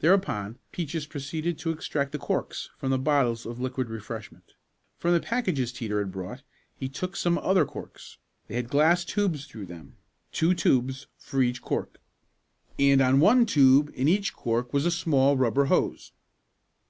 Thereupon Peaches proceeded to extract the corks from the bottles of liquid refreshment. From the packages Teeter had brought he took some other corks. They had glass tubes through them, two tubes for each cork. And on one tube in each cork was a small rubber hose.